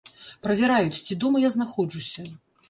Правяраюць, ці дома я знаходжуся.